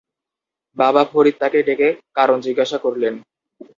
বাবা ফরিদ তাকে ডেকে কারণ জিজ্ঞাসা করলেন।